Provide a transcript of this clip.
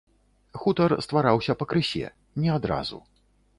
Хутар ствараўся пакрысе, не адразу.